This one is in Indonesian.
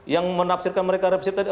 yang menafsirkan mereka revisi tadi